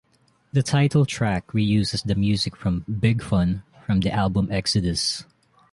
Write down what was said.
The title track reuses the music from "Big Fun", from the album "Exodus".